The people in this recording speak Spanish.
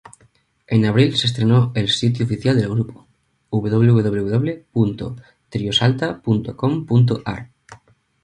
En abril se estrenó el sitio oficial del grupo: www.triosalta.com.ar.